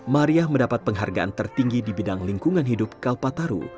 maria mendapat penghargaan tertinggi di bidang lingkungan hidup kalpataru